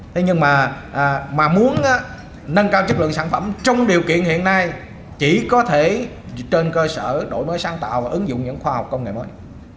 thế nhưng mà muốn nâng cao chất lượng sản phẩm trong điều kiện hiện nay chỉ có thể trên cơ sở đổi mới sáng tạo và ứng dụng những khoa học công nghệ mới